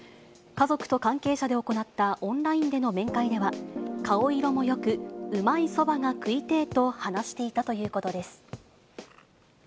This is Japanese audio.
家族と関係者で行ったオンラインでの面会では、顔色もよく、うまいそばが食いてぇと話していたということです。